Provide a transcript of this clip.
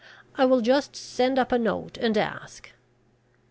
I will just send up a note and ask."